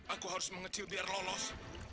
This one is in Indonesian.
aku harus mengecil biar lolos